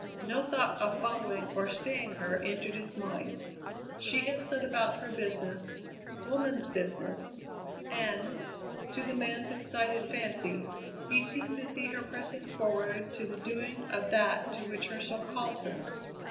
No thought of following or staying her entered his mind; she had set about her business, woman's business, and, to the man's excited fancy, he seemed to see her pressing forward to the doing of that to which her soul called her.